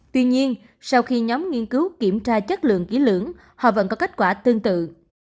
tuy nhiên sau khi nhóm nghiên cứu kiểm tra chất lượng ký lưỡng họ vẫn có kết quả tương tự